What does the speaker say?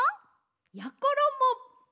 やころも！